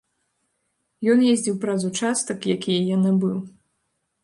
Ён ездзіў праз участак, якія я набыў.